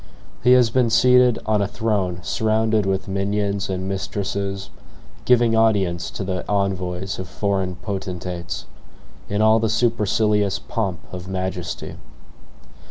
He has been seated on a throne surrounded with minions and mistresses, giving audience to the envoys of foreign potentates, in all the supercilious pomp of majesty.